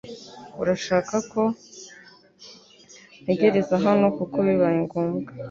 Urashaka ko ntegereza hano kuko bibaye ngombwa